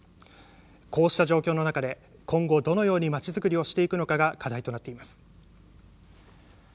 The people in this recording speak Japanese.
こうした状況の中で今後どのように町づくりをしていくのかが課題となっています。